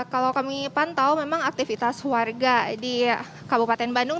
kalau kami pantau memang aktivitas warga di kabupaten bandung